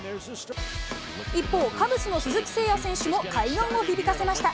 一方、カブスの鈴木誠也選手も快音を響かせました。